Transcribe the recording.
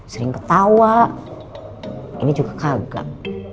sering ketawa ini juga kagam